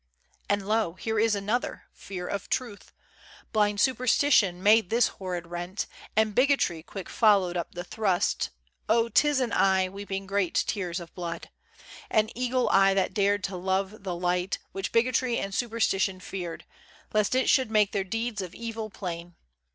And, lo! here is another Fear of Truth Blind Superstition made this horrid rent, And Bigotry quick followed up the thrust. O, 'tis an eye weeping great tears of blood! An eagle eye, that dared to love the light Which Bigotry and Superstition feared, Lest it should make their deeds of evil plain.